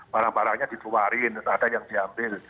barang barangnya dikeluarin ada yang diambil